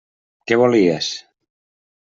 Què volies?